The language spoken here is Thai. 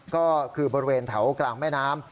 ก็คือบริเวณแถวกลางแม่น้ำ